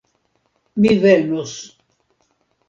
Mi venos!